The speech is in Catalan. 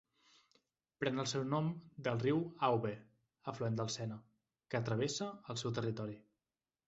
Pren el seu nom del riu Aube, afluent del Sena, que travessa el seu territori.